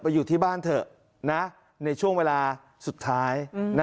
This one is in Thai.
อยู่ที่บ้านเถอะในช่วงเวลาสุดท้าย